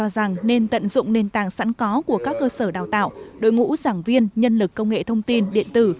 rằng nên tận dụng nền tảng sẵn có của các cơ sở đào tạo đội ngũ giảng viên nhân lực công nghệ thông tin điện tử